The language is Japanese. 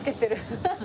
ハハハ。